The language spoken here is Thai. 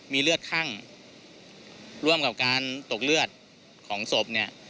มีเลือดคั่งร่วมกับการตกเลือดของศพเนี่ย